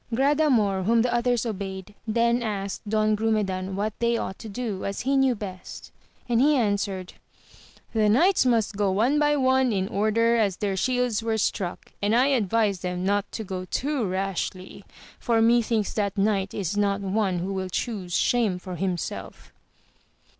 Gradamor, whom the others obeyed, then asked Don Grumedan what they ought to do, as he knew best ; and he answered, The knights must go one by one in order as their shields were struck, and I advise them not to go too rashly, for methinks that knight is not one who will chuse shame for himself.